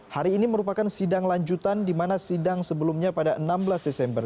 hari ini merupakan sidang lanjutan di mana sidang sebelumnya pada enam belas desember